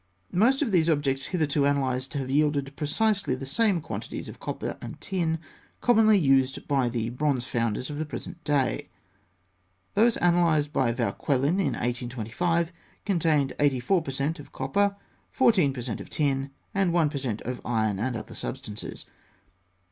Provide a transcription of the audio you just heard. Most of the objects hitherto analysed have yielded precisely the same quantities of copper and tin commonly used by the bronze founders of the present day. Those analysed by Vauquelin in 1825 contained 84 per cent. of copper 14 per cent. of tin, and 1 per cent. of iron and other substances.